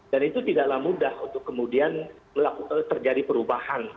dan itu tidaklah mudah untuk kemudian terjadi perubahan